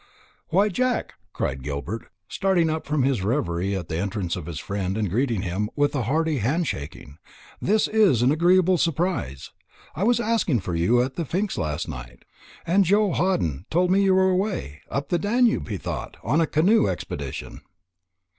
"Why, Jack," cried Gilbert, starting up from his reverie at the entrance of his friend, and greeting him with a hearty handshaking, "this is an agreeable surprise! I was asking for you at the Pnyx last night, and Joe Hawdon told me you were away up the Danube he thought, on a canoe expedition."